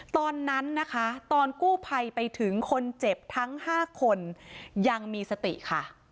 ตอนนั้นนะคะตอนกู้ภัยไปถึงคนเจ็บทั้ง๕คนยังมีสติค่ะ